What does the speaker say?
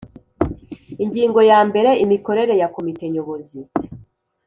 Ingingo ya mbere Imikorere ya Komite Nyobozi